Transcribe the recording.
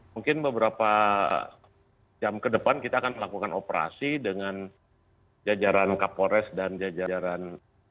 mungkin beberapa jam ke depan kita akan melakukan operasi dengan jajaran kapolres dan jajaran